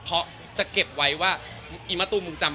เพราะจะเก็บไว้ว่า